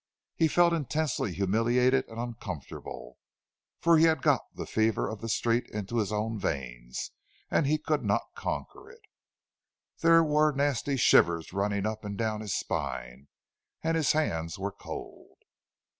He felt intensely humiliated and uncomfortable—for he had got the fever of the Street into his own veins, and he could not conquer it. There were nasty shivers running up and down his spine, and his hands were cold.